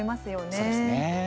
そうですね。